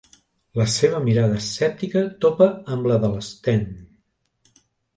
La seva mirada escèptica topa amb la de l'Sten.